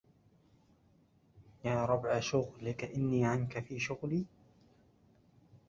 يا ربع شغلك إني عنك في شغل